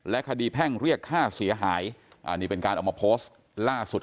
คดีแพ่งเรียกค่าเสียหายอันนี้เป็นการเอามาโพสต์ล่าสุด